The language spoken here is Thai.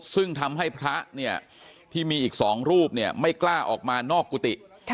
ซึ่งทำให้พระที่มีอีก๒รูปไม่กล้าออกมานอกกุฏิ